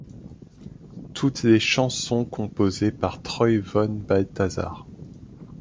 Toutes les chansons composées par Troy Von Balthazar.